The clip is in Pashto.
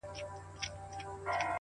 خپه په دې يم چي زه مرمه او پاتيږي ژوند،